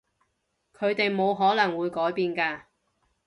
佢哋冇可能會改變㗎